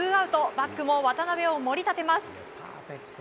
バックも渡邊を盛り立てます。